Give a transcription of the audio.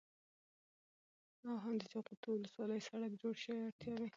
او هم د جغتو ولسوالۍ سړك جوړ شي. اړتياوې: